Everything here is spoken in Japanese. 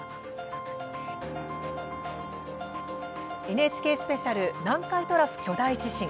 ＮＨＫスペシャル「南海トラフ巨大地震」。